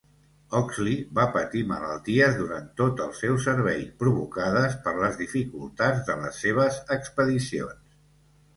Oxley va patir malalties durant tot el seu servei, provocades per les dificultats de les seves expedicions.